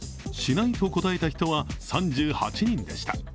しないと答えた人は３８人でした。